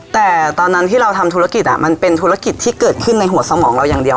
แต่ตอนนั้นที่เราทำธุรกิจมันเป็นธุรกิจที่เกิดขึ้นในหัวสมองเราอย่างเดียว